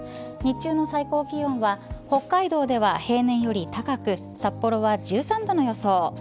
日中の最高気温は北海道では平年より高く札幌は１３度の予想。